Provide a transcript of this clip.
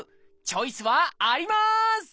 チョイスはあります！